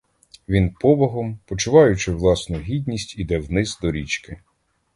Він повагом, почуваючи власну гідність, іде вниз до річки.